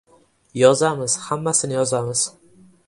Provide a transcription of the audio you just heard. — Yozamiz, hammasini yozamiz!